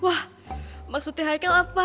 wah maksudnya heikel engga jomblo